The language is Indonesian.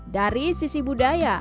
dari sisi budaya